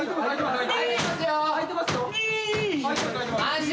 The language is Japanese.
はい？